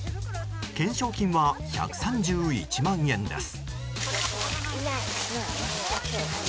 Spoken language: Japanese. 懸賞金は１３１万円です。